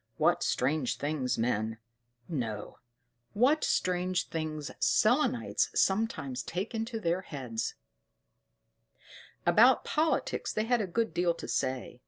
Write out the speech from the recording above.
What strange things men no, what strange things Selenites sometimes take into their heads! * Dwellers in the moon. About politics they had a good deal to say.